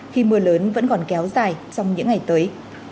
khi mưa lớn vẫn còn kéo dài trong những ngày tới